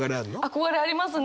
憧れありますね！